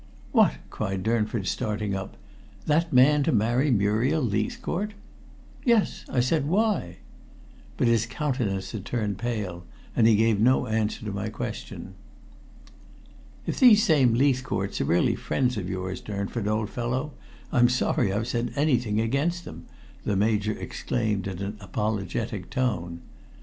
"What!" cried Durnford, starting up. "That man to marry Muriel Leithcourt?" "Yes," I said. "Why?" But his countenance had turned pale, and he gave no answer to my question. "If these same Leithcourts are really friends of yours, Durnford, old fellow, I'm sorry I've said anything against them," the Major exclaimed in an apologetic tone.